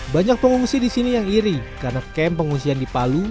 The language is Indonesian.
banyak pengungsi di sini yang iri karena kem pengungsian di palu